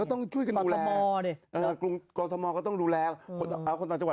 ก็ต้องช่วยกับคนอ่ะกรมธรรมก็ต้องดูแลเออเอาคนทางจังหวัด